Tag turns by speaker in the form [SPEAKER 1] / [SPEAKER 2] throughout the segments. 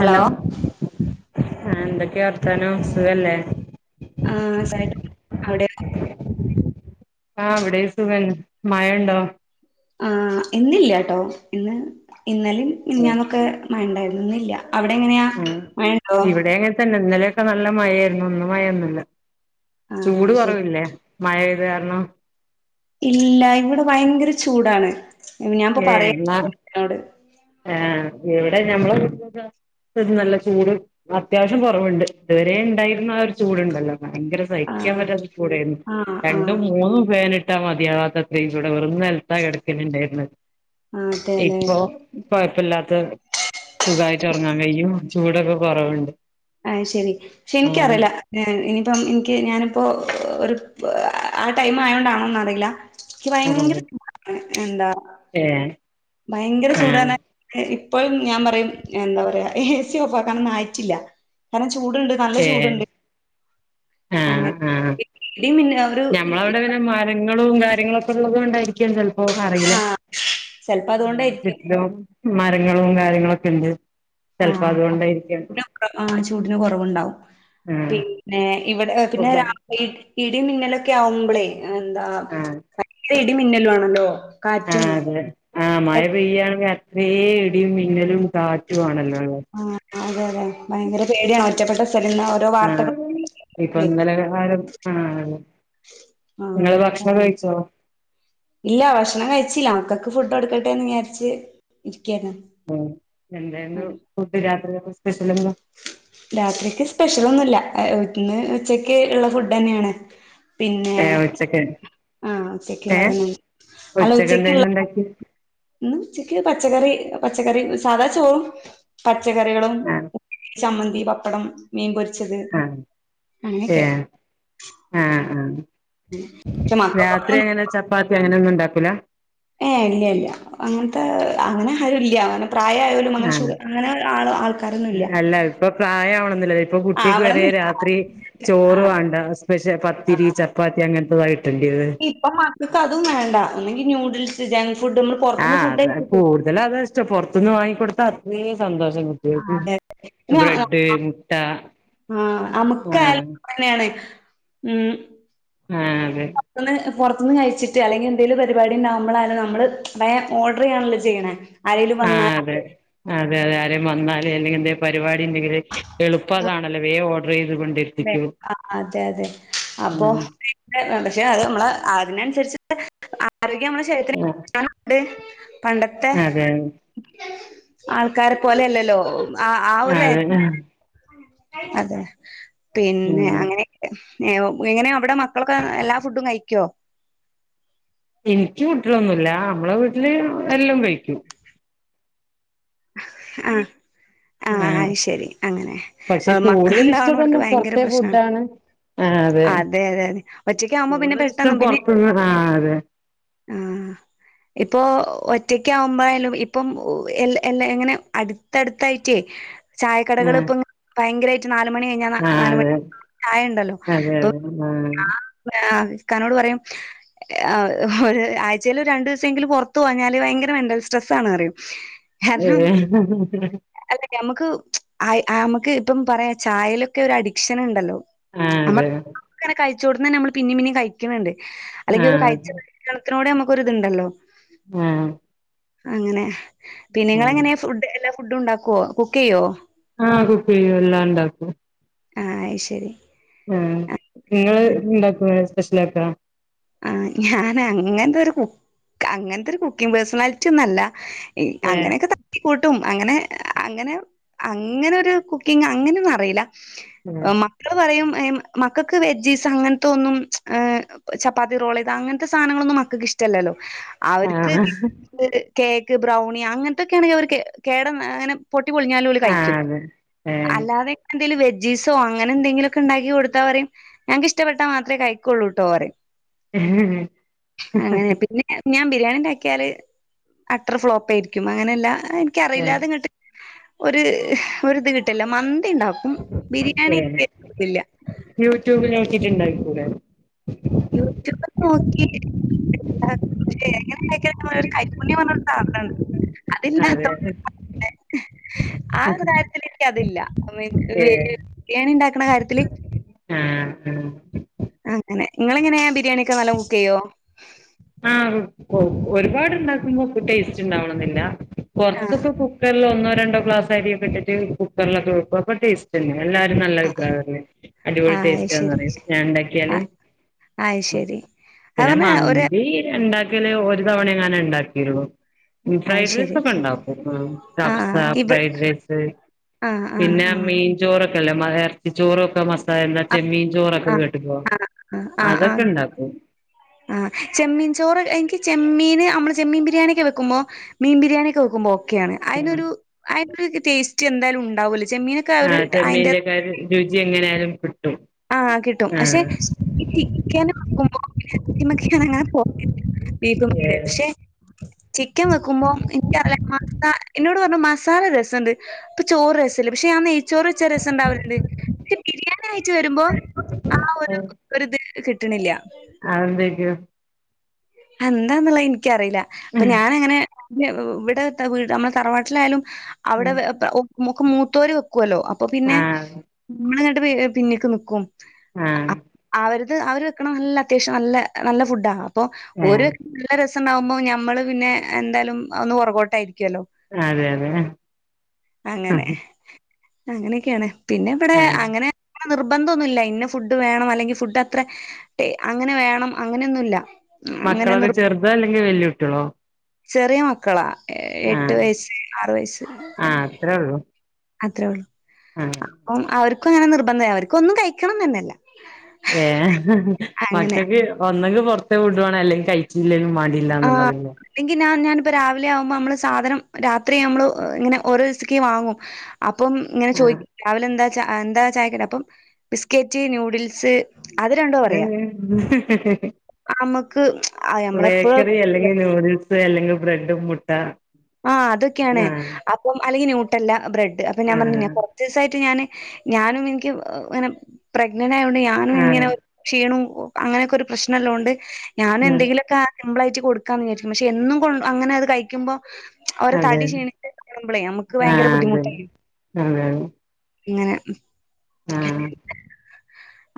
[SPEAKER 1] Hello ആ എന്തൊക്കെയ വർത്താനോ സുഖല്ലേ
[SPEAKER 2] ആഹ സ അവിടെ
[SPEAKER 1] ആ അവിടെ സുഖാണ് മഴ ഉണ്ടോ
[SPEAKER 2] ആ ഇന്നില്ലാട്ടോ ഇന്ന് ഇന്നലിം മിനിഞ്ഞാന്നൊക്കെ മഴ ണ്ടായിര്ന്നില്ല അവിടെ എങ്ങനെയാ മഴണ്ടോ
[SPEAKER 1] ക്കെ നല്ല മയേയിരുന്നു ഇന്ന് മഴൊന്നുല്ല
[SPEAKER 2] ആഹ്
[SPEAKER 1] ചൂട്
[SPEAKER 2] അത് ശരി
[SPEAKER 1] കൊറവില്ലേ മഴ അത് ആരണം
[SPEAKER 2] ഇല്ല ഇവിടെ ഭയങ്കര ചൂടാണ് ഞാൻപ്പൊ
[SPEAKER 1] ഏ
[SPEAKER 2] പറയാ
[SPEAKER 1] ആഹ
[SPEAKER 2] നോട്
[SPEAKER 1] അ ഞമ്മള ഇ നല്ല ചൂട് അത്യാവശ്യം കുറവുണ്ട് ഇതുവരെ ഉണ്ടായിരുന്ന ആ ഒരു ചൂടുണ്ടല്ലോ ഭയങ്കര സഹിക്കാൻ
[SPEAKER 2] ആഹ്
[SPEAKER 1] പറ്റാത്ത ചൂടായിരുന്നു
[SPEAKER 2] ആഹ് ആഹ്
[SPEAKER 1] രണ്ടും മൂന്നും ഫാൻ എട്ടാ മതിയാവാത്തത്ര ഇവിടെ വെറും നെലത്താ കിടക്കലുണ്ടായിരുന്നത്
[SPEAKER 2] ആഹ് അതെല്ലേ
[SPEAKER 1] ഇപ്പൊ ഇപ്പ ഉപ്പല്ലാത്ത സുഖമായിട്ട് ഉറങ്ങാൻ കഴിയും ചൂടൊക്കെ കുറവുണ്ട്
[SPEAKER 2] ആഹ ശെരി പക്ഷെ
[SPEAKER 1] ആഹ്
[SPEAKER 2] എനിക്കറിയില്ല ഇനിപ്പം എനിക്ക് ഞാനിപ്പോ ഒരു ആ ടൈം ആയതോണ്ടാണോന്ന് അറിയില്ല എനിക്ക് ഭയങ്കര
[SPEAKER 1] ആഹ്
[SPEAKER 2] ചൂടാണ് എന്താ
[SPEAKER 1] ഏഹ്
[SPEAKER 2] ഭയങ്കര
[SPEAKER 1] ആഹ്
[SPEAKER 2] ചൂടാണ് ഇപ്പോഴും ഞാൻ പറയും എന്താ പറയാ എ സി ഓഫ് ആക്കാനുംഒന്നും അയിട്ടില്ല കന ചൂടുണ്ട് നല്ല
[SPEAKER 1] ഏഹ്
[SPEAKER 2] ചൂടുണ്ട് അങ്ങനെ ഒരു
[SPEAKER 1] ഞമ്മള അവിടെ ഇങ്ങനെ മാ ങ്ങളും കാര്യങ്ങളൊക്കെ ഉള്ളത് കൊണ്ടായിരിക്ക ചെലപ്പോ അറിയില്ല
[SPEAKER 2] ആ ചെലപ്പോ അതുകൊണ്ടായിരിക്കും
[SPEAKER 1] മരങ്ങളും കാര്യങ്ങളൊക്കെ ഉണ്ട്
[SPEAKER 2] ആ
[SPEAKER 1] ചിലപ്പോ അതുകൊണ്ടായിരിക്കാം
[SPEAKER 2] ആ ചൂടിന് കുറവുണ്ടാവും
[SPEAKER 1] ആഹ്
[SPEAKER 2] പിന്നെ ഇവിടെ പിന്നെ
[SPEAKER 1] ആഹ്
[SPEAKER 2] ഇടി മിന്നൽ ക്ക് ആവുമ്പോളേ എന്താ ഇടിമിന്നലു ആണല്ലോ
[SPEAKER 1] ആ
[SPEAKER 2] കാറ്റും
[SPEAKER 1] അതെ ആ മഴ
[SPEAKER 2] പെ-
[SPEAKER 1] പെയ്യാണ് ഇടി മിന്നലും കാറ്റും ആണല്ലോ ഉള്ളത്
[SPEAKER 2] ആ അതെ അതെ ഭയങ്കര പേടിയ ഒറ്റപെട്ട
[SPEAKER 1] ആഹ ഇപ്പൊ ഇന്നലെകാരം ആ നിങ്ങൾ
[SPEAKER 2] ആ
[SPEAKER 1] ഭക്ഷണം കഴിച്ചോ
[SPEAKER 2] ഇല്ല ഭക്ഷണം കഴിച്ചില്ല അവക്കക്ക് ഫുഡ് കോടുക്കട്ടെന്ന് വിചാരിച്ച് ഇരിക്കായിരുന്നു
[SPEAKER 1] ഉം എന്തായിരുന്നു
[SPEAKER 2] ഉം
[SPEAKER 1] ഫുഡ് രാത്രി
[SPEAKER 2] രാത്രിക്ക് സ്പെഷ്യൽഒന്നുല്ല ഇന്ന് ഉച്ചക്ക് ഉള്ള ഫുഡ് തന്നെയാണ് പിന്നെ
[SPEAKER 1] ഏ ഉച്ചക്ക്
[SPEAKER 2] ആഹ്
[SPEAKER 1] ഏ
[SPEAKER 2] ഉച്ചക്കുള്ളതന്നെ അല്ല
[SPEAKER 1] ഉച്ചക്ക്
[SPEAKER 2] ഉച്ചക്കുള്ള
[SPEAKER 1] എന്തേന്നു ഇണ്ടാക്കി
[SPEAKER 2] ഇന്ന് ഉച്ചക്ക് പച്ചക്കറി പച്ചക്കറി സാധാ ചോറും പ പച്ചക്കറികളും
[SPEAKER 1] ആ
[SPEAKER 2] ഉ ചമ്മന്തി പപ്പടം മീൻപൊരി
[SPEAKER 1] ആഹ് ഏ ആ ആ
[SPEAKER 2] പക്ഷെ
[SPEAKER 1] രാത്രി
[SPEAKER 2] മക്കൾക്കൊന്നും
[SPEAKER 1] അങ്ങനെ ചപ്പാത്തി അങ്ങനെ ഒ ഇണ്ടാക്കൂല
[SPEAKER 2] ഏ ഇല്ല ഇല്ല അങ്ങനത്തെ അവനെ ആരുല്ല അവന
[SPEAKER 1] ആഹ്
[SPEAKER 2] ആൾക്കാരൊന്നും ഇല്ല
[SPEAKER 1] അല്ല ഇപ്പൊ പ്രായമാണന്നില്ല ഇപ്പൊ
[SPEAKER 2] ആഹ്
[SPEAKER 1] കുട്ടിക്ക് വരെ
[SPEAKER 2] അവിടന്നില്ല
[SPEAKER 1] രാത്രി ചോർ
[SPEAKER 2] ആ
[SPEAKER 1] വേണ്ട സ്പെഷ്യ പത്തിരി ചപ്പാത്തി അങ്ങനത്തതായിട്ട്
[SPEAKER 2] ഇപ്പൊ മക്കൾക്ക് അതും വേണ്ട ഒന്നെങ്കി ന്യഡിൽസ് [unintelligible]
[SPEAKER 1] ആഹ് അത കൂടുതലും അതാ ഇഷ്ടം പൊർ ത്തിന്ന് വാങ്ങിക്കൊടുത്ത അത്രേം സന്തോഷം
[SPEAKER 2] ആഹ്
[SPEAKER 1] കുട്ടികൾക്ക്
[SPEAKER 2] അതെതെ [inaudible]
[SPEAKER 1] ബ്രെഡ് മുട്ട
[SPEAKER 2] ആഹ
[SPEAKER 1] ആ
[SPEAKER 2] നമുക്കായാലാം അങ്ങനെയാണ് ഉം
[SPEAKER 1] ആ അതെ
[SPEAKER 2] പുറത്തുനിന്ന് കഴിച്ചിട്ട് അല്ലെങ്ക എന്തേലും പരിപാടി ഉണ്ടാവുമ്പോളായാലും നമ്മള് വേം ഓർഡർ ചെയ്യാണല്ലോ ചെയ്യണേ ആരേലും
[SPEAKER 1] ആ
[SPEAKER 2] വന്നാൽ
[SPEAKER 1] അതെ ആ ആരേലും വന്നാല് അല്ലെങ്കിഎന്തേലും പരിപാടി ഉണ്ടെങ്കിൽ എളുപ്പതാണല്ലോ വേഗം ഹേ
[SPEAKER 2] ദേ അ... അതെ... അതെ അപ്പൊ
[SPEAKER 1] ഉം
[SPEAKER 2] [unintelligible] പക്ഷെ അത് നമ്മള് ആ തിന്... തീർച്ച [unintelligible] അ ആരോഗ്യം നമ്മുടെ ശരീത്തിന് [unintelligible] പണ്ടത്തെ
[SPEAKER 1] അതെ
[SPEAKER 2] ആൾക്കാരെ പോലെഅല്ലല്ലോ [unintelligible] ആ ആ ഒരു
[SPEAKER 1] അതെ
[SPEAKER 2] [unintelligible] [inaudible] അതെ പിന്നെ
[SPEAKER 1] ഉം
[SPEAKER 2] അങ്ങനെയെക്കെ ഏ എങ്ങനെയ അവിടെ മക്കളൊക്കെ എല്ലാ ഫുഡും കഴിക്കുവോ
[SPEAKER 1] എനിക്ക് കുട്ടികളൊന്നുല്ലാ നമ്മളെ വീട്ടില് എല്ലാം കഴിക്കും
[SPEAKER 2] ആഹാ ആഹാ ആഹാ
[SPEAKER 1] ആഹ്
[SPEAKER 2] ശരി അങ്ങനെ
[SPEAKER 1] പക്ഷെ കൂടുതൽ ഇഷ്ടം
[SPEAKER 2] മക്കളുണ്ടാവണവർക്ക്
[SPEAKER 1] തന്നെ
[SPEAKER 2] ഭയങ്കര
[SPEAKER 1] പൊറത്തെ
[SPEAKER 2] പ്രശ്നമാണ്
[SPEAKER 1] ഫുഡാണ്
[SPEAKER 2] അതെ അതെ അതെ ഒറ്റക്ക് ആവുമ്പോ പിന്നെ
[SPEAKER 1] കൂടുതൽ ഇഷ്ടം
[SPEAKER 2] പെട്ടന്ന പിന്നെ
[SPEAKER 1] പൊറത്തുന്ന് ആഹ് അതെ
[SPEAKER 2] ആഹ ഇപ്പൊ ഒറ്റക്ക ആവുമ്പോയാലും ഇപ്പം എ എല്ലാ എങ്ങനെ അടുത്തടുത്തായിട്ടേ ചായക്കടകൾ ഇപ്പ ഭയങ്കരമായി നാലുമണി കഴിഞ്ഞാ
[SPEAKER 1] ആഹ്
[SPEAKER 2] നാ
[SPEAKER 1] ആഹ്
[SPEAKER 2] ലു മണി ചായ ഉണ്ടല്ലോ
[SPEAKER 1] അതെ അതെ അതെ
[SPEAKER 2] അപ്പ
[SPEAKER 1] ആഹ്
[SPEAKER 2] ആ ഇക്കാനോട് പറയും ഒരു ആഴ്ചയിൽ ഒരു രണ്ടു ദിവസമെങ്കിലും പുറത്തു പോഞ്ഞാല് ഭയങ്കര മെന്റൽസ്ട്രെസ്സ് ആണെന്ന് പറയും കാരണം
[SPEAKER 1] ഏഹ്
[SPEAKER 2] അല്ല ഞമുക്ക് ആ നമുക്ക് ഇപ്പം പറയാ ചായലൊക്കെ ഒരു അഡിക്ഷൻ ഉണ്ടല്ലോ
[SPEAKER 1] ആഹ്
[SPEAKER 2] നമ്മ
[SPEAKER 1] അതെ
[SPEAKER 2] ക്കങ്ങനെ ചൂട്ണത് തന്നെ നമ്മ പിന്ന പിന്നേ കഴിക്കുന്നുണ്ട് അല്ലെങ്കിൽ ഒരു
[SPEAKER 1] ആഹ്
[SPEAKER 2] കഴിച ഭക്ഷണത്തിനൂടെ നമുക്കൊരിതുണ്ടല്ലോ
[SPEAKER 1] ആഹ്
[SPEAKER 2] അങ്ങനെ പിന്നെ
[SPEAKER 1] ആഹ്
[SPEAKER 2] നിങ്ങളെങ്ങനെ ഫുഡ് എല്ല ഫുഡ് ഉണ്ടാക്കുവോ കുക്ക് ചെയ്യുവോ
[SPEAKER 1] ആഹ കുക്ക് ചെയ്യും എല്ലാം ഇണ്ടാക്കും
[SPEAKER 2] ആഹാ ശരി
[SPEAKER 1] ഉം ങ്ങള് ഇണ്ടാക്കുലെ പസ്ലക്ക
[SPEAKER 2] ആ ഞാനങ്ങൻത്തൊരു കു ക്ക അങ്ങൻത്തൊരു കുക്കിങ് പേഴ്സണാലിറ്റി ഒന്നല്ല യ്
[SPEAKER 1] ഏഹ്
[SPEAKER 2] അങ്ങനൊക്കെ തപ്പി കൂട്ടും അങ്ങനെ അങ്ങനെ അങ്ങനെ ഒരു കുക്കിങ് അങ്ങനെ ഒന്നും അറിയില്ല മക്കള് പറയും യും മക്കൾക്ക് വെജീസ് അങ്ങനത്തെ ഒന്നും മ്ച് ഏ ചപ് പാതിറോലെത് അങ്ങനത്തെ സധനങ്ങളൊന്നുംമക്കക്ക് ഇഷ്ടമല്ലോ അവർക്ക്
[SPEAKER 1] ആഹ്
[SPEAKER 2] [unintelligible] കേക്ക് ബ്രൗണി അങ്ങനത്തൊക്കെയാണെങ്കിൽ അവർ കേട അങ്ങനെ പൊട്ടി പൊളഞ്ഞാലും ഓല് കഴിക്കും
[SPEAKER 1] ആഹ് അതെ ഏഹ്
[SPEAKER 2] അല്ലാതെ എന്തേലും വെജ് ജീസോ അങ്ങനെ എന്തെങ്കിലുമൊക്കെ ഉണ്ടാക്കി കൊടുത്താ പറയും ഞങ്ങൾക്ക് ഇഷ്ടപ്പെട്ടാ മാത്രേ കഴിക്കൊള്ളൂട്ടോ പറിം അങ്ങനെ പിന്നെ ഞാൻ ബി ബിരിയാണി ഇണ്ടാക്കിയാല് അട്ടർ ഫ്ലോപ്പായിരിക്കും അങ്ങനെല്ല ആ എനിക്കറിയില്ലാ
[SPEAKER 1] ഏഹ്
[SPEAKER 2] അത് ഇങ്ങട്ട് ഒരു ഒരിത് കി തലെ മൻ ന്തിണ്ടാക്കും ബിരിയാണി
[SPEAKER 1] ഏഹ്
[SPEAKER 2] ൻക് ഒരിതില്ലാ
[SPEAKER 1] യൂട്യൂബിൽ [unintelligible]
[SPEAKER 2] യൂട്യബ നോക്കിക്ക [unintelligible] കൈക്കുഞ്ഞി പോ സാധന അതില്ലാത്ത
[SPEAKER 1] അതെ
[SPEAKER 2] [unintelligible] ആ ഒരു കാര്യത്തിലേക്ക് അതില്ല
[SPEAKER 1] ഏഹ്
[SPEAKER 2] ബിരിയാണി ഉണ്ടാക്കണ കാര്യത്തില്
[SPEAKER 1] ആഹ് ആഹ്
[SPEAKER 2] അങ്ങനെ നിങ്ങളെങ്ങനെയാ ബിരിയാണിയൊക്കെ നല്ല കുക്ക് ചെയ്യോ
[SPEAKER 1] ഒരുപാട്ണ്ടാക്കുമ്പോ ക് ടേസ്റ്റ് ഉണ്ടാവണെന്നില്ല
[SPEAKER 2] ആഹ്
[SPEAKER 1] കൊറച്ചപ്പ കുക്കല്ലാം ഒന്ന രണ്ടോ ഗ്ലാസ് അരിയിട്ടിട്ട് കുക്കറിലൊക്കെ വെക്ക അപ്പൊ ടേസ്റ്റ് അല്ലിയ എല്ലാരും നല്ല
[SPEAKER 2] ആഹ്
[SPEAKER 1] അഭിപ്രായം അടിപൊളി ടേസ്റ്റ്ന്ന്
[SPEAKER 2] അയ്ശരി
[SPEAKER 1] പറയും ഞാൻ ഉണ്ടാക്കിയാല്
[SPEAKER 2] ആഹ് അയ്ശരി അത്
[SPEAKER 1] പിന്നെ
[SPEAKER 2] പറഞ്ഞാ
[SPEAKER 1] മ
[SPEAKER 2] ഒരു
[SPEAKER 1] ഉണ്ടാക്കിയല് ഒരു തവണ അങ്ങനെ ഉണ്ടാക്കിയുള്ളൂ ഫ്രൈഡ് റൈസ്
[SPEAKER 2] അയ്ശരി
[SPEAKER 1] ഒക്കെ ഉണ്ടാവും കഫ്സ
[SPEAKER 2] ആഹ് ഇവ
[SPEAKER 1] ഫ്രൈഡ് റൈസ്
[SPEAKER 2] ആഹ് ആഹ്
[SPEAKER 1] പിന്നെ
[SPEAKER 2] ആഹ്
[SPEAKER 1] മീൻചോറൊക്കെ ക്കല്ലേ [unintelligible] ചോറു [unintelligible] എന്നാ ചെമ്മീൻ ചോറൊക്കെ
[SPEAKER 2] ആഹ്
[SPEAKER 1] കേട്ടുപ്പോ
[SPEAKER 2] ആഹ് ആഹ് ആഹ് ആഹ്
[SPEAKER 1] അതൊക്കെ
[SPEAKER 2] ആഹ്
[SPEAKER 1] ഇണ്ടാക്കും
[SPEAKER 2] ആഹ് ചെമ്മീൻ ചോറ് എനിക്ക് ചെമ്മീൻ നമ്മള് ചെമ്മീൻ ബിരിയാണിയ ഒക്കെ വെക്കുമ്പോ മീൻ ബിരിയാണിയ ഒക്കെ വെക്കുമ്പോ ഒക്കാണ് അതിനൊരു അതി ടേസ്റ്റ് എന്തായാലും ഉണ്ടാവല്ലോ
[SPEAKER 1] ആഹ ചമ്മീന്റെക്കാര് രുചി എങ്ങനാലും
[SPEAKER 2] ആഹ കിട്ടും പക്ഷെ ഈ ചിക്കന് നോക്കുമ്പോ മ്മച്ചിങ്ങനാ നങ്ങന പോ ബീഫ [unintelligible] പക്ഷെ ചിക്കൻ വെക്കുമ്പോ എനിക്ക [unintelligible] ക്ക എന്നോട് പറഞ്ഞ മസാല രസംണ്ട് ഇപ്പ ചോറ് രസംല്ലേ പക്ഷെ ഞാൻ ചോറ് ച്ചാ രസംണ്ടാവില്ലേ ക്ഷേ ബിരിയാണി ക ച്ച് വരുമ്പോ ആ ഒര് ഒര്ത് കിട്ട ട്ടിണില്ല
[SPEAKER 1] അഹ് എന്തക്കയോ
[SPEAKER 2] അ എന്തെന്നിള്ളെ ന് എനികറീല അപ്പ ഞാനങ്ങനെ പിന്ന് ഇവാട്ത്ത വീട് നമ്മള് തറവാട്ടിലാലും അവിടെ വേപ്പ് ഒപ്പ് മൂക്ക് മൂത്തോര് വക്ക് ക്കോല്ലോ അപ്പപിന്നെ
[SPEAKER 1] ആ
[SPEAKER 2] പി പിന്നീക്ക് നിക്കും
[SPEAKER 1] ആഹ്
[SPEAKER 2] അത് അവർ വെക്കണ നല്ല അത്യാവശ്യം നല്ല നല്ല ഫുഡാ അപ്പൊ
[SPEAKER 1] ഏ
[SPEAKER 2] ഒര് ല്ല ര സണ്ടവുമ്പോ നമ്മള് പിന്നെ എന്തായാലും ഒന്ന് പുറകോട്ടായി
[SPEAKER 1] അതെ അതെ ആ
[SPEAKER 2] അങ്ങനെയൊക്കെയണ് പിന്നെ ഇവിടെ അങ്ങനെ നിർബന്ധം ഒന്നുല്ല ഇന്ന ഫുഡ് വേണം അല്ലെങ്കി ഫുഡ് അത്ര ടേ അങ്ങനെ വേണം അങ്ങനൊന്നുല്ല
[SPEAKER 1] മക്കളക്കെ ചെറുതാ അല്ലെങ്കിൽ വല്യു ട്ടിയളോ
[SPEAKER 2] ചെറിയ മക്കളാ എ എട്ട് വയസ്സ് ആറ് വയസ്സ്
[SPEAKER 1] ആഹ് അത്രേ ഉള്ളൂ
[SPEAKER 2] അത്രേ ഉള്ളൂ
[SPEAKER 1] ആഹ്
[SPEAKER 2] അപ്പം അവർ ക്കു അങ്ങനെ നിർബന്ധ അവർക്ക് ഒന്നും കഴിക്കണംന്നെന്നെല്ല
[SPEAKER 1] ഏ മക്കക്ക് ഒന്നെങ്കി പൊറത്തേ ഫുഡ് വാണം അല്ലെങ്കി കഴിച്ചില്ലങ്കി മാ ട്ടില്ലന്നുള്ളതിൻ്റെ
[SPEAKER 2] ഞാ ഞാാനിപ്പോ രാവിലെ ആവുമ്പോ നമ്മള് സാധനം രാത്രി നമ്മള് ഇങ്ങനെ ഓരോ ദിവസത്തേക്ക് വാങ്ങും അപ്പം ഇങ്ങനെ
[SPEAKER 1] ആഹ്
[SPEAKER 2] ചോയിക്കും രാവിലെന്താ ച്ച എന്താ ചായക്കടി അപ്പം ബിസ്ക്കറ്റ് ന്യൂഡിൽസ് അത് രണ്ടോ പറയാ അമ്മക്ക് നമ്മളെപ്പോള്
[SPEAKER 1] ല്ലങ്കി നൂഡിൽ അല്ലെങ്കിൽ ബ്രെഡും മുട്ട....
[SPEAKER 2] ആഹ് അതൊക്കെയാണ്
[SPEAKER 1] ആഹ്
[SPEAKER 2] അപ്പൊ അല്ലെങ്കിൽ ന്യൂട്ടല്ല ബ്രെഡ് അപ്പൊ ഞാൻ പർഞ്ഞു
[SPEAKER 1] ആഹ്
[SPEAKER 2] കൊർച്ചുസായിട്ട് ഞാന് ഞാനും എനിക്ക്ങ്ങനെ പ്രഗ് ങ്ങനായോണ്ട് ഞാനും
[SPEAKER 1] ആഹ്
[SPEAKER 2] ഇങ്ങനെ ക്ഷീണും അങ്ങനെയൊക്കൊരു പ്രശ്നല്ലോണ്ട് ഞാൻ
[SPEAKER 1] ഉം
[SPEAKER 2] എന്തെങ്കിലൊക്ക സമ്പിളായിട്ട് കൊടുക്കാന്ന് വിചാരിക്കും പക്ഷെ എന്നും കൊ അങ്ങനത് കഴിക്കുമ്പോ അവരെ
[SPEAKER 1] അതെ
[SPEAKER 2] തടി ക്ഷീണിച്ച കാണുമമ്പളേ നമുക്ക് ഭയങ്കര
[SPEAKER 1] ആഹ് അതന്നെ
[SPEAKER 2] ബുദ്ധിമുട്ടായിരുന്നു ഇങ്ങനെ
[SPEAKER 1] ആ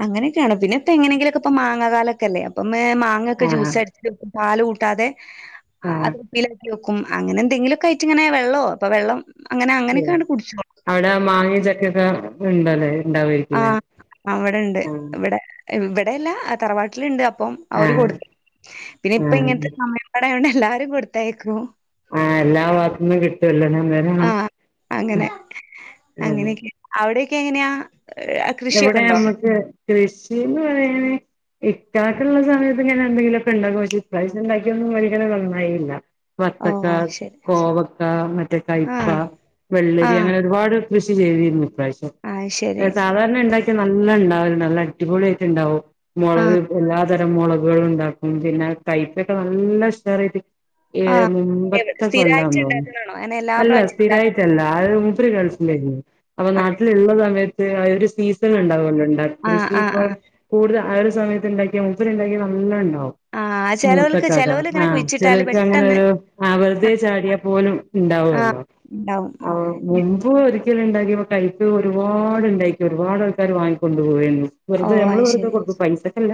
[SPEAKER 2] അങ്ങനെയൊക്കെയാണ് പിന്നെ ഇപ്പ എങ്ങനെങ്കിലുമൊക്കെ മാങ്ങാകാലൊക്കെ അല്ലേ അപ്പം മ്മേ മാങ്ങ ഒക്കെ
[SPEAKER 1] ആഹ്
[SPEAKER 2] ജ്യൂസ് അടി പാല് കൂട്ടാതെ
[SPEAKER 1] ആഹ്
[SPEAKER 2] അത് കുപ്പിയിലാക്കി വക്കും ഉം അങ്ങനെ എന്തെങ്കിലൊക്ക കഴിച്ച് ഇങ്ങനെ വെള്ളവോ ഇപ്പോ വെള്ളം അങ്ങനെ
[SPEAKER 1] ഉം
[SPEAKER 2] അങ്ങനെയൊക്കെയാണ് കുടിച്ചോളും
[SPEAKER 1] അവിടെ മാങ്ങയും, ചക്കയൊക്കെ ഉണ്ടല്ലേ
[SPEAKER 2] ആ
[SPEAKER 1] ഉണ്ടാവായിരിക്കുല്ലേ
[SPEAKER 2] അവിടെണ്ട്
[SPEAKER 1] ആഹ്
[SPEAKER 2] ഇവിടെ ഇവിടെയല്ല തറവാട്ടിലുണ്ട് അ പ്പം അവര്
[SPEAKER 1] ആഹ്
[SPEAKER 2] കൊടുത്ത് പിന്നെ ഇപ്പ
[SPEAKER 1] ആഹ്
[SPEAKER 2] ഇങ്ങനത്തെ [unintelligible] എല്ലാരും കൊടുത്തയക്കും
[SPEAKER 1] ആ എല്ലാ ഭാഗത്തു നിന്നും കിട്ടൂല്ലോ അല്ലേ
[SPEAKER 2] ആ അങ്ങനെ
[SPEAKER 1] ആഹ്
[SPEAKER 2] അങ്ങനെയൊക്കെ അവിടെയൊ ക്കെ എങ്ങനെയാ കൃഷിയൊക്കെ
[SPEAKER 1] ഇവിടെ
[SPEAKER 2] ഉണ്ടോ
[SPEAKER 1] നമ്മക്ക് കൃഷിന്ന് പറയാന് ഇക്കാക്കള്ള സമയത്ത് ഇങ്ങനെ എന്തെങ്കിലും ഒക്കെ ഉണ്ടാക്കും പക്ഷേ ഈ പ്രാവശം ഉണ്ടാക്കിയൊന്നും [unintelligible] നന്നായില്ല
[SPEAKER 2] ഓ
[SPEAKER 1] വത്തക്ക
[SPEAKER 2] ആഹ് ശരി
[SPEAKER 1] കോവക്ക മറ്റേ കയപ്പ
[SPEAKER 2] ആഹ്
[SPEAKER 1] വെള്ളരി
[SPEAKER 2] ആഹ്
[SPEAKER 1] അങ്ങനെ ഒരുപാട് കൃഷി ചെയ്തിരുന്നു [unintelligible]
[SPEAKER 2] ആഹ് ശരി
[SPEAKER 1] [inaudible] ഉണ്ടാക്കി, നല്ല അടിപൊളിയായിട്ട് ഉണ്ടാവും.
[SPEAKER 2] ആഹ്
[SPEAKER 1] മുളക് എല്ലാ തരം മുളക്... ഉണ്ടാക്കും പിന്നെ കൈപ്പൊക്കെ നല്ലഷെയർ... ഏ
[SPEAKER 2] ആഹ് എവ്
[SPEAKER 1] മുമ്പത്തൊക്കെ
[SPEAKER 2] സ്ഥിരായിട്ട്
[SPEAKER 1] കൊല്ലംഅണന്ന് തോനുന്നു.
[SPEAKER 2] ഇണ്ടാക്ക്ണാണോ? അങ്ങനെ എല്ലാ പ്രാവശ്യം ഇണ്ടാക്ക
[SPEAKER 1] സ്ഥിരായിട്ടല്ല ആ മൂപ്പര് ഗൾഫിലായിരുന്നു അപ്പൊ
[SPEAKER 2] അതെ
[SPEAKER 1] നാട്ടിലുള്ള സമയത്ത്- [unintelligible] സീസൺ ഉള്ളതു കൊണ്ടണ്ട്
[SPEAKER 2] ആഹ്
[SPEAKER 1] കൃഷി
[SPEAKER 2] ആഹ്
[SPEAKER 1] ഇപ്പോൾ
[SPEAKER 2] ആഹ് ആഹ്
[SPEAKER 1] കൂടുതൽ- ആ ഒരു സമയത്ത് ഉണ്ടാക്കിയ മുപ്പന് ഉണ്ടാക്കിയ നല്ല ഉണ്ടാവും
[SPEAKER 2] ആഹ്
[SPEAKER 1] മൂത്ത
[SPEAKER 2] ചെലോൽക്ക്
[SPEAKER 1] കഥ
[SPEAKER 2] ചെലോലിങ്ങനെ
[SPEAKER 1] ആഹ
[SPEAKER 2] കുഴിച്ചിട്ടാല്
[SPEAKER 1] ചിലർക്ക് അങ്ങനെ
[SPEAKER 2] പെട്ടെന്ന്
[SPEAKER 1] ഒരു ആ വറുതെ
[SPEAKER 2] ആഹ്
[SPEAKER 1] ചാടിയാൽ പോലും
[SPEAKER 2] ആഹ്
[SPEAKER 1] ഉണ്ടാവല്ലോ
[SPEAKER 2] ഇണ്ടാവും.
[SPEAKER 1] മുമ്പ് ഒ- എനിക്കിത് ഉണ്ടാക്കിയപ്പോ കൈപ്പ് ഒരുപാട്ണ്ടായി ഒരുപാട് ആൾക്കാര് വാങ്ങിക്കൊണ്ട്പോയാണ് വെറുതെ
[SPEAKER 2] ഓഹ്
[SPEAKER 1] നമ്മള്
[SPEAKER 2] അത്
[SPEAKER 1] വെറുതെ
[SPEAKER 2] ശരി.
[SPEAKER 1] കൊടുക്കും പൈസൊക്കെല്ല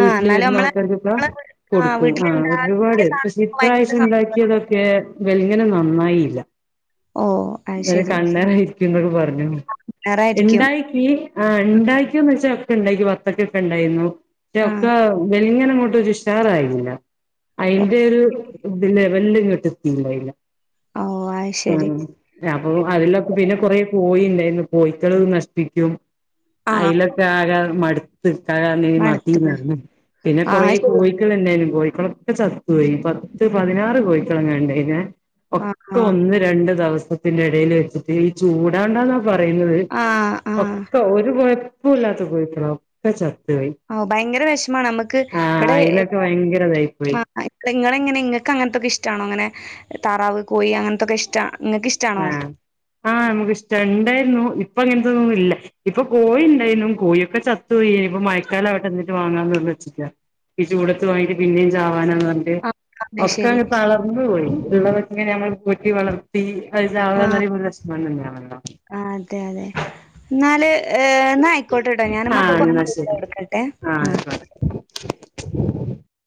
[SPEAKER 2] ആഹ് ഇന്നാലും
[SPEAKER 1] വരുന്ന
[SPEAKER 2] നമ്മളെ
[SPEAKER 1] ആൾക്കാർക്ക്
[SPEAKER 2] നമ്മളെ
[SPEAKER 1] ഇ
[SPEAKER 2] വീ ആഹ്
[SPEAKER 1] കൊടുക്കും ആ ഒരുപാട്
[SPEAKER 2] വീട്ടില്ണ്ടാക്കിയ
[SPEAKER 1] പക്ഷെ
[SPEAKER 2] സാധനങ്ങൾക്ക് ഭയങ്കര
[SPEAKER 1] ഇപ്രാവശ്യം
[SPEAKER 2] സന്തോഷാ.
[SPEAKER 1] ഉണ്ടാക്കിയതൊക്കെ വല- അങ്ങനെ നന്നായില്ല
[SPEAKER 2] ഓ അത് ശരി
[SPEAKER 1] കന്ദ കുമാർ [inaudible] അ [unintelligible]
[SPEAKER 2] ഉഷാറായിരിക്കും.
[SPEAKER 1] എണ്ടായി കി ആ
[SPEAKER 2] ഉം
[SPEAKER 1] ണ്ടായിക്കോന്ന് വെച്ചാ ഒക്കെ ഉണ്ടാക്കി വറത്തൊക്ക ഒക്കെ ഉണ്ടായിരുന്നു
[SPEAKER 2] ആഹ്
[SPEAKER 1] ഒക്കെ വെളി ഇങ്ങനെ അങ്ങോട്ട് ഒരു ഉഷാറായില്ല അതിന്റെ ഒരു ലെവല് ഇങ്ങോട്ട് എത്തില്ലായില്ല
[SPEAKER 2] ഓഹ് അത്
[SPEAKER 1] ഉ
[SPEAKER 2] ശരി.
[SPEAKER 1] അപ്പൊ അതിലൊക്കെ പിന്നെ കൊറ പോയിണ്ട് എന്ന് പോയി ഉം നഷ് പി ക്കും ആ
[SPEAKER 2] ആഹ്
[SPEAKER 1] ഇലക്ക ആഗ മാ [unintelligible] തക്ക
[SPEAKER 2] മട്ത്ത്ക്ക്ണ്.
[SPEAKER 1] മാറ്റീല്ലന്ന് പിന്നെ കൊറേ
[SPEAKER 2] ആഹ് അത് ശരി.
[SPEAKER 1] കോഴികള് എന്താലും കോഴിക്കളൊക്കെ ചത്തുപോയി പത്ത് പതിനാറ് കോഴിക്കളങ്ങ ഉണ്ടാ നേ
[SPEAKER 2] ആഹ്
[SPEAKER 1] ഒക്കെ
[SPEAKER 2] ആഹ്
[SPEAKER 1] ഒന്ന് രണ്ട് ദിവസം സത്തിന്റെ ഇടയിൽ വെച്ചിട്ട് ഈ ചൂടാണ്ടാന്നാ പറയുന്നത്
[SPEAKER 2] ആഹ്
[SPEAKER 1] ഒ
[SPEAKER 2] ആഹ്
[SPEAKER 1] [unintelligible] പ്പ ഒരു കൊഴപ്പോ ഇല്ലാത്ത കോഴികളാ ഒക്കെ ചത്ത്
[SPEAKER 2] ഓ ഭയങ്കര വിഷമാണ് നമ്മക്ക്
[SPEAKER 1] ആഹ്
[SPEAKER 2] ഇവിടെ
[SPEAKER 1] അയിലൊക്കെ
[SPEAKER 2] ഇവിടെ
[SPEAKER 1] ഭയങ്കര ഇതായി പോയി
[SPEAKER 2] ആ ഇങ്ങ ഇങ്ങൾക്ക് അങ്ങനത്തൊക്കെ ഇഷ്ടമാണോ അങ്ങനെ തറാവ് കോഴി അങ്ങനത്തൊക്കെ ഇഷ്ടമാണ്
[SPEAKER 1] ആഹ് ആഹ് നമുക്ക് ഇഷ്ട്ടം ഇണ്ടായിരുന്നു ഇപ്പ അങ്ങനത്തെ ഒന്നും ഇല്ല ഇപ്പൊ കോഴി ഇണ്ടായിനും കോഴിയൊക്കെ ചത്ത് പോയി ഇനി ഇപ്പൊ മയക്കാലം ആവട്ടെ എന്നിട്ട് വാങ്ങാന്നു വെച്ചിരിക്കുവാ ഈ ചൂടത്ത് വാങ്ങിട്ട് പിന്നേം ചാവ-
[SPEAKER 2] ആഹ്
[SPEAKER 1] പോ
[SPEAKER 2] അത്
[SPEAKER 1] [unintelligible]
[SPEAKER 2] ശരി
[SPEAKER 1] ഒക്കെണ്ട് തളർന്നു പോയി. ഇള്ളതൊക്കങ്ങനെ നമ്മൾ പോറ്റി വളർത്തി അത അവ ന [unintelligible] ആ
[SPEAKER 2] ആ അതെ അതെ എന്നാല് ഏന്ന ആയിക്കോട്ടട്ടോ ഞാനൻ മക്ക
[SPEAKER 1] ആഹ് എന്നാ
[SPEAKER 2] കൊറട്ട
[SPEAKER 1] ശരി
[SPEAKER 2] എടുക്കട്ടെ
[SPEAKER 1] ആഹ്
[SPEAKER 2] ആ
[SPEAKER 1] ആയിക്കോട്ടെ